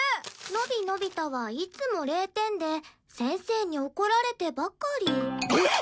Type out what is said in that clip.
「野比のび太はいつも０点で先生に怒られてばかり」えっ！？